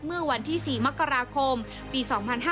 เมื่อวันที่๔มกราคมปี๒๕๕๙